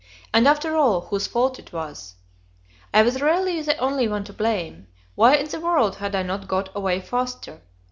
And, after all, whose fault was it? I was really the only one to blame; why in the world had I not got away faster?